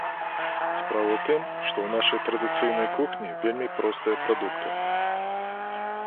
Справа ў тым, што ў нашай традыцыйнай кухні вельмі простыя прадукты.